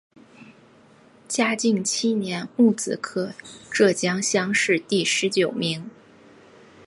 嘉靖七年戊子科浙江乡试第十九名。